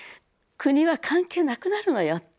国は関係なくなるのよ。